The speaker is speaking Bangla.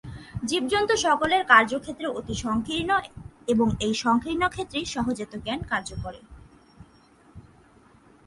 জীবজন্তু সকলের কার্যক্ষেত্র অতি সঙ্কীর্ণ এবং এই সঙ্কীর্ণ ক্ষেত্রেই সহজাত জ্ঞান কার্য করে।